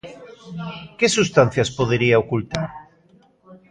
Que substancias podería ocultar?